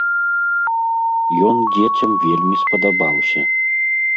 Ён дзецям вельмі спадабаўся.